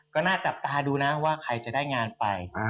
ก็น่าจับตาดูนะว่าใครจะได้งานไป